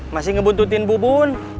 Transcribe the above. masih ngebuntutin bubun